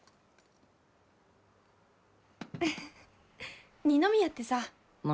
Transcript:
フフフ二宮ってさ。